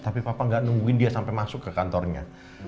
tapi papa gak nungguin dia sampai masuk ke kantornya